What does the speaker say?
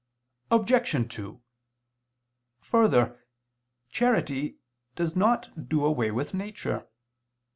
Obj. 2: Further, charity does not do away with nature.